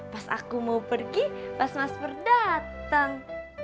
pas aku mau pergi pas mas pur dateng